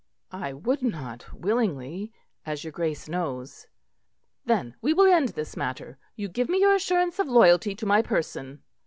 "I would not willingly, as your Grace knows." "Then we will end this matter. You give me your assurance of loyalty to my person."